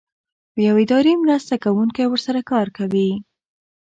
یو اداري مرسته کوونکی ورسره کار کوي.